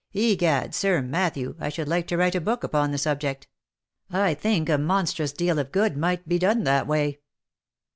Egad, Sir Matthew, I should like to write a book upon the subject. I think a monstrous deal of good might be done that way."